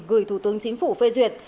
gửi thủ tướng chính phủ phê duyệt